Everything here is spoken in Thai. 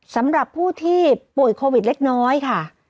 สำหรับผู้ที่ป่วยโควิดเล็กน้อยค่ะ